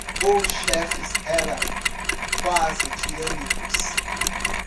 Os chefes eram quase tirânicos.